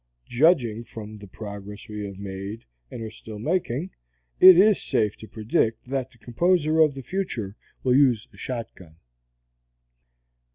Judging from the progress we have made and are still making, it is safe to predict that the composer of the future will use a shotgun.